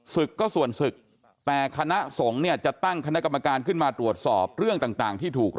ศึกก็ส่วนศึก